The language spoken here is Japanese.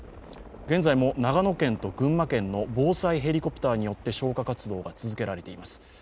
現在も長野県と群馬県の防災ヘリコプターによって消火活動が続けられています。